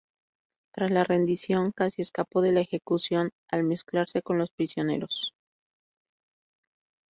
Tras la rendición, casi escapó de la ejecución al mezclarse con los prisioneros.